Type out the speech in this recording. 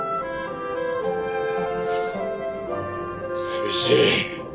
寂しい。